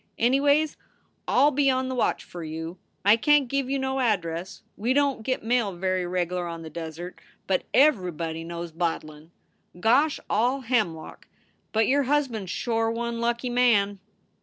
Anyways, I ll be on the watch for you. I can t give you no address. We don t git mail very reg lar on the desert, but everybody knows Bodlin. Gosh all hem lock! but your husband s shore one lucky man!"